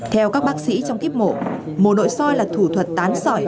theo các bác sĩ trong kiếp mổ mổ nội soi là thủ thuật tán sỏi